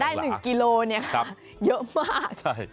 แต่กว่าจะได้๑กิโลเยอะมาก